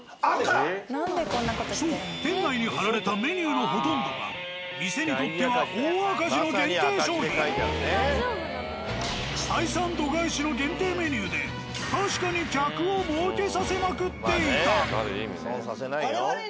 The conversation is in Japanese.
そう店内に張られたメニューのほとんどが採算度外視の限定メニューで確かに客を儲けさせまくっていた。